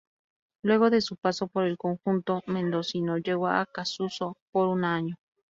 Luego de su paso por el conjunto mendocino llegó a Acassuso por un año.